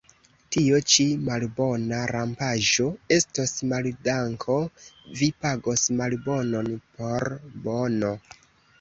Tio ĉi, malbona rampaĵo, estos maldanko: vi pagos malbonon por bono.